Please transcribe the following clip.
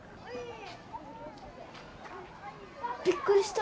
びっくりした。